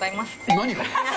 何が？